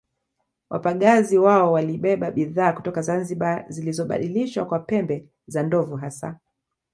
Wapagazi wao walibeba bidhaa kutoka Zanzibar zilizobadilishwa kwa pembe za ndovu hasa